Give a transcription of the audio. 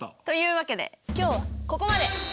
というわけで今日はここまで！